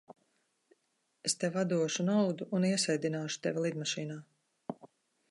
Es tev atdošu naudu un iesēdināšu tevi lidmašīnā.